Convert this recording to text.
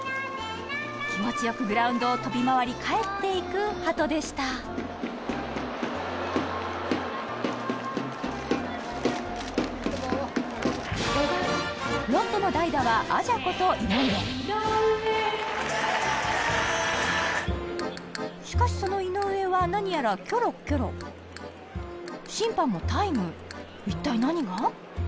気持ち良くグラウンドを飛び回り帰って行くハトでしたロッテの代打はアジャことしかしその井上は何やらキョロキョロ審判もタイム一体何が？